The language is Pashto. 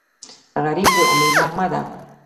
غریب د امید نغمه ده